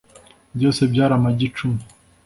byose byari amagi icumi